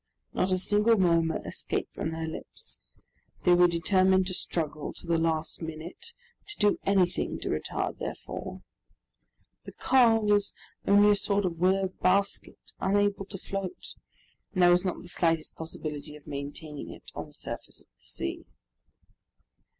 Not a single murmur escaped from their lips. They were determined to struggle to the last minute, to do anything to retard their fall. The car was only a sort of willow basket, unable to float, and there was not the slightest possibility of maintaining it on the surface of the sea.